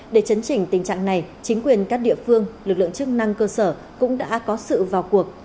để chấn chỉnh tình trạng này chính quyền các địa phương lực lượng chức năng cơ sở cũng đã có sự vào cuộc